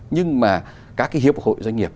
nhưng mà các cái hiệp hội doanh nghiệp